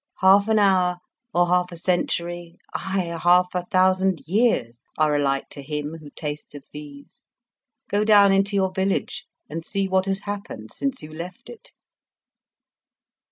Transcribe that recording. "Half an hour, or half a century aye, half a thousand years, are all alike to him who tastes of these. Go down into your village and see what has happened since you left it."